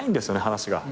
話が。